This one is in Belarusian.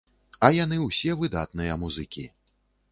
А яны ўсе выдатныя музыкі.